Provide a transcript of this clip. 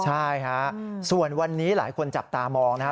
ใช่ครับส่วนวันนี้หลายคนจับตามองนะครับ